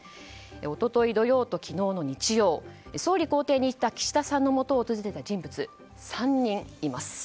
一昨日土曜と、昨日の日曜総理公邸にいた岸田さんのもとを訪れた人物３人います。